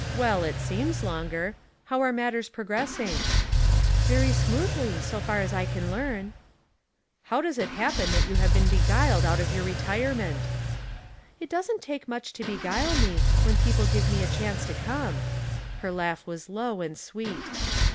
Well, it seems longer. How are matters progressing ?"" Very smoothly, so far as 1 can learn." " How does it happen that you have been be guiled out of your retirement ?"" It doesn't take much to beguile me, when people give me a chance to come." Her laugh was low and sweet.